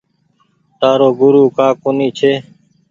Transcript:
تآرو گورو ڪآ ڪونيٚ ڇي۔